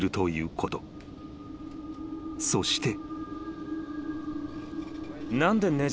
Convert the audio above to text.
［そして］